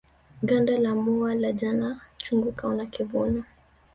Ganda la mua la jana chungu kaona kivuno